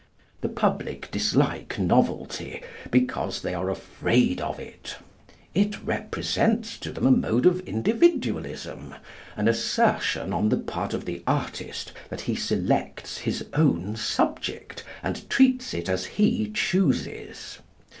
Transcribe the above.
The public dislike novelty because they are afraid of it. It represents to them a mode of Individualism, an assertion on the part of the artist that he selects his own subject, and treats it as he chooses.